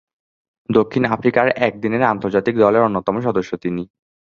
দক্ষিণ আফ্রিকার একদিনের আন্তর্জাতিক দলের অন্যতম সদস্য তিনি।